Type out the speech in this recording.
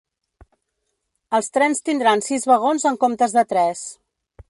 Els trens tindran sis vagons en comptes de tres.